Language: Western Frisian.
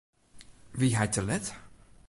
Wie hy te let?